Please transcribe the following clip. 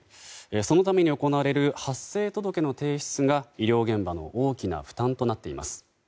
その度に行われる発生届の提出が医療現場の大きな負担となっています。